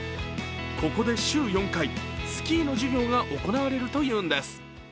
ここで週４回、スキーの授業が行われるというのです。